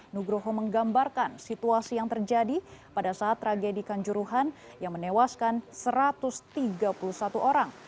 nugroho menggambarkan situasi yang terjadi pada saat tragedi kanjuruhan yang menewaskan satu ratus tiga puluh satu orang